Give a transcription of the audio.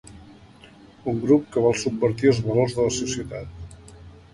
Un grup que vol subvertir els valors de la societat.